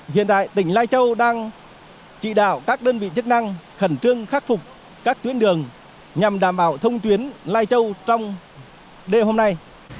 hiện tại tỉnh lai châu đang chỉ đạo các đơn vị chức năng khẩn trương khắc phục các tuyến đường nhằm đảm bảo thông tuyến lai châu trong đêm hôm nay